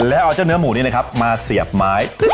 แล้วเอาเจ้าเนื้อหมูนี้นะครับมาเสียบไม้